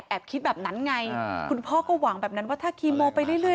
คิดแบบนั้นไงคุณพ่อก็หวังแบบนั้นว่าถ้าคีโมไปเรื่อย